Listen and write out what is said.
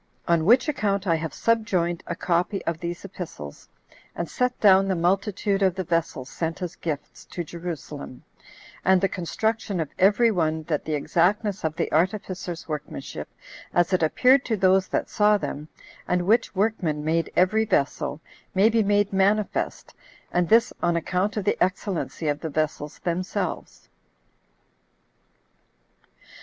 On which account I have subjoined a copy of these epistles, and set down the multitude of the vessels sent as gifts [to Jerusalem], and the construction of every one, that the exactness of the artificers' workmanship, as it appeared to those that saw them, and which workman made every vessel, may be made manifest, and this on account of the excellency of the vessels themselves.